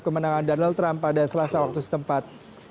kemenangan donald trump pada selasa waktu setempat